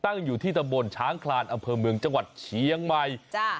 ตั้งอยู่ที่ทะมนต์ช้างคลานอเภอเมืองจังหวัดเฉียงใหม่